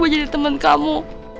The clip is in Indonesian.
buat jadi temen kamu